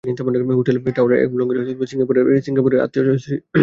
হোটেলের tower block সিঙ্গাপুরের জাতীয় স্মৃতিস্তম্ভ হিসাবে গেজেট করা হয়েছে।